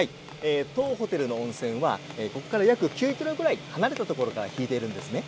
当ホテルの温泉はここから約９ｋｍぐらい離れたところから引いているんですね。